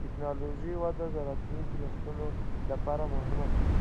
د ټکنالوجۍ وده د راتلونکي نسلونو لپاره مهمه ده.